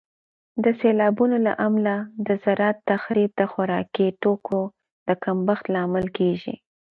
د سیلابونو له امله د زراعت تخریب د خوراکي توکو د کمښت لامل کیږي.